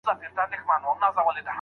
د شاګرد انشا نه لیکل کېږي.